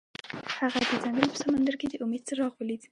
هغه د ځنګل په سمندر کې د امید څراغ ولید.